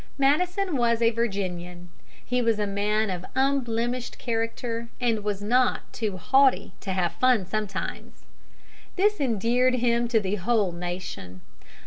Madison was a Virginian. He was a man of unblemished character, and was not too haughty to have fun sometimes. This endeared him to the whole nation.